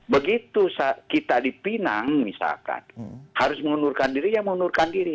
begitu kita dipinang misalkan harus mengundurkan diri ya mengundurkan diri